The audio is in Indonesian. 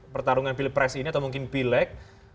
pertarungan pilpres ini atau mungkin pileg